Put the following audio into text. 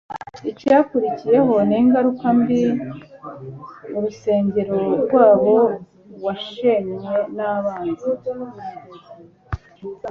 Icyakurikiyeho n'ingaruka mbi, uruisengero rwabo washenywe n'abanzi,